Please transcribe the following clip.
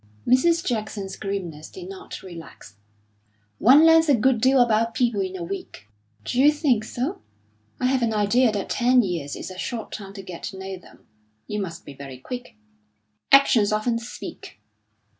Mrs. Jackson's grimness did not relax. "One learns a good deal about people in a week." "D'you think so? I have an idea that ten years is a short time to get to know them. You must be very quick." "Actions often speak."